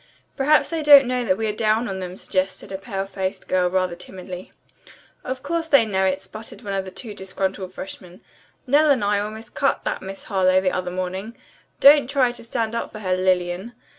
"Perhaps they don't know that we are down on them," suggested a pale faced girl rather timidly. "Of course they know it," sputtered one of the two disgruntled freshmen. "Nell and I almost cut that Miss Harlowe the other morning. Don't try to stand up for her, Lillian.